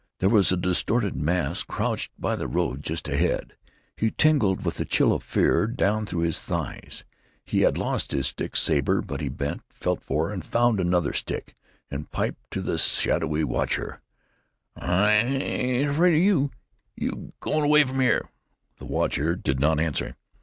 There was a distorted mass crouched by the road just ahead. He tingled with the chill of fear, down through his thighs. He had lost his stick saber, but he bent, felt for, and found another stick, and piped to the shadowy watcher: "I ain't af f fraid of you! You gwan away from here!" The watcher did not answer.